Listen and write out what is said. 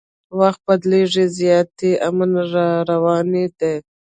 وخت بدلیږي زیاتي امن راروان دی